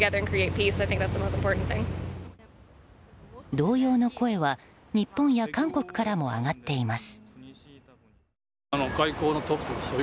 同様の声は日本や韓国からも上がっています。